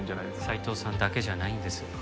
斉藤さんだけじゃないんです。